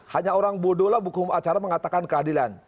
banyak orang bodoh lah buku acara mengatakan keadilan